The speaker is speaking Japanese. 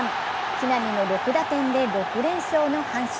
木浪の６打点で６連勝の阪神。